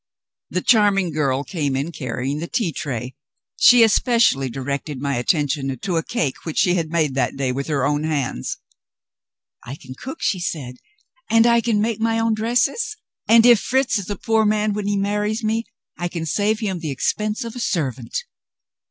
The charming girl came in carrying the tea tray. She especially directed my attention to a cake which she had made that day with her own hands. "I can cook," she said, "and I can make my own dresses and if Fritz is a poor man when he marries me, I can save him the expense of a servant."